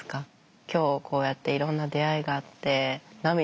今日こうやっていろんな出会いがあって涙も流れて